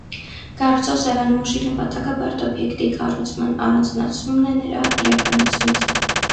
Կառուցող ձևանմուշի նպատակը բարդ օբյեկտի կառուցման առանձնացումն է նրա իրականացումից։